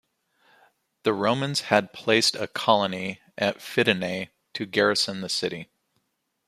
The Romans had placed a colony at Fidenae to garrison the city.